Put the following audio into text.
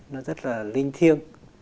nó rất là linh thiêng